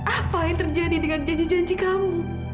apa yang terjadi dengan janji janji kamu